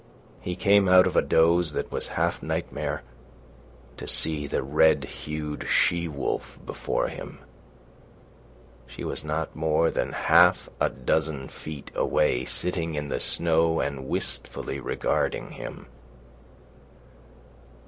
He came out of a doze that was half nightmare, to see the red hued she wolf before him. She was not more than half a dozen feet away sitting in the snow and wistfully regarding him.